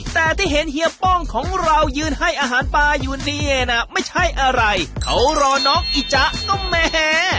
แต่ที่เห็นเฮียป้องของเรายืนให้อาหารปลาอยู่เนี่ยนะไม่ใช่อะไรเขารอน้องอีจ๊ะก็แหม